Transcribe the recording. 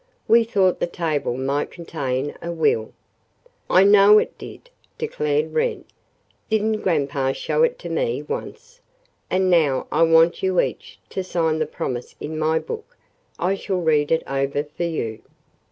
We thought the table might contain a will " "I know it did," declared Wren. "Didn't grandpa show it to me once? And now I want you each to sign the promise in my book. I shall read it over for you."